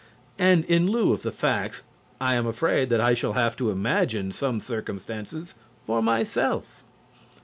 And in lieu of the facts, I am afraid that I shall have to imagine some circumstances for myself.